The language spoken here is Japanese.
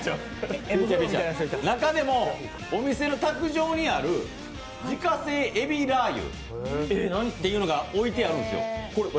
中でもお店の卓上にある自家製海老ラー油というのが置いてあるんですよ。